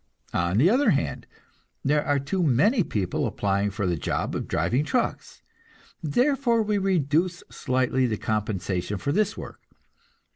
On the other hand, there are too many people applying for the job of driving trucks, therefore we reduce slightly the compensation for this work.